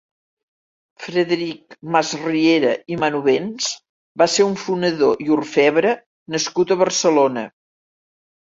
Frederic Masriera i Manovens va ser un fonedor i orfebre nascut a Barcelona.